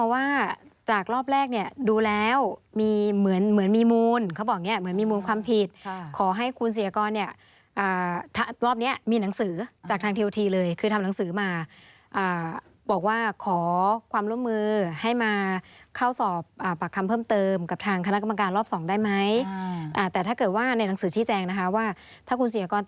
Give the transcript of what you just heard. ว่าจากรอบแรกเนี่ยดูแล้วมีเหมือนเหมือนมีมูลเขาบอกอย่างนี้เหมือนมีมูลความผิดขอให้คุณเสียกรเนี่ยถ้ารอบนี้มีหนังสือจากทางทีโอทีเลยคือทำหนังสือมาบอกว่าขอความร่วมมือให้มาเข้าสอบปากคำเพิ่มเติมกับทางคณะกรรมการรอบสองได้ไหมแต่ถ้าเกิดว่าในหนังสือชี้แจงนะคะว่าถ้าคุณเสียกร